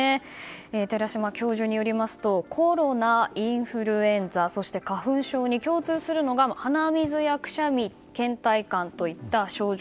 寺嶋教授によりますとコロナ、インフルエンザそして花粉症に共通するのが鼻水や、くしゃみ倦怠感といった症状。